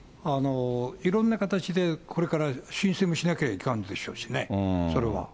いろんな形でこれから申請もしなきゃいかんでしょうしね、それは。